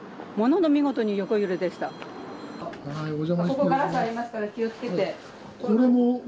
ここガラスありますから気を付けて。